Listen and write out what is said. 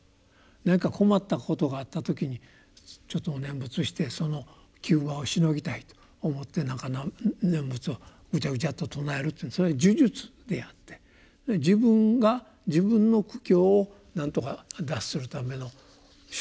何か困ったことがあった時にちょっとお念仏してその急場をしのぎたいと思って念仏をぐちゃぐちゃっと称えるというのはそれは呪術であって自分が自分の苦境を何とか脱するための手段になっている言葉ですね。